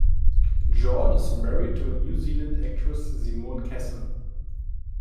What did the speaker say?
Jordan is married to a New Zealand actress Simone Kessell.